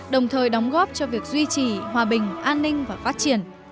đồng thời đóng góp cho việc duy trì hòa bình an ninh và phát triển